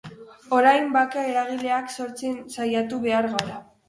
Orain, bake eragileak sortzen saiatu behar gara.